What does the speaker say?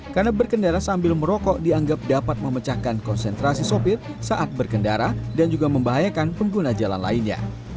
karena berkendara sambil merokok dianggap dapat memecahkan konsentrasi sopir saat berkendara dan juga membahayakan pengguna jalan lainnya